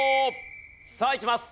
さあいきます。